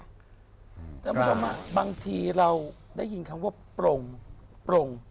คุณผู้ชมบางทีเราได้ยินคำว่าโปร่งโปร่ง